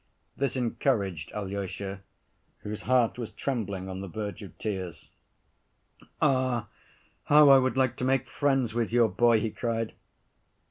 This encouraged Alyosha, whose heart was trembling on the verge of tears. "Ah, how I would like to make friends with your boy!" he cried.